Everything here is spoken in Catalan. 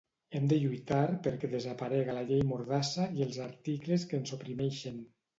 Hem de lluitar perquè desaparega la llei mordassa i els articles que ens oprimeixen.